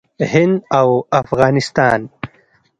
هند او افغانستان